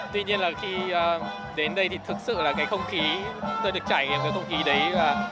tuy nhiên là khi đến đây thì thực sự là cái không khí tôi được chạy ở cái không khí đấy